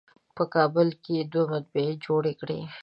په کابل کې یې دوه مطبعې جوړې کړې.